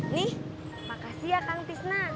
nih makasih ya kang tisnan